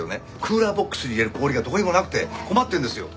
クーラーボックスに入れる氷がどこにもなくて困ってるんですよ！